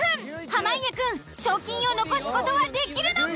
濱家くん賞金を残す事はできるのか？